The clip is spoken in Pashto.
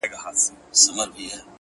هغه چي له سندرو له ښکلاوو جوړ دی_